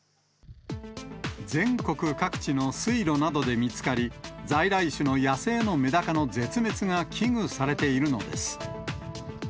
全国各地の水路などで見つかり、在来種の野生のメダカの絶滅が危惧されているのです。